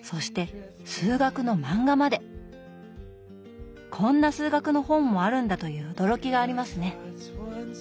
こんな数学の本もあるんだという驚きがありますね。